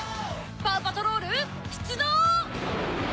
パウ・パトロール出動！